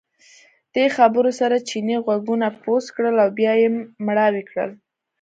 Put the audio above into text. دې خبرو سره چیني غوږونه بوڅ کړل او بیا یې مړاوي کړل.